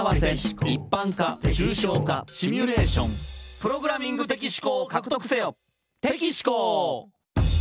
「プログラミング的思考を獲得せよ」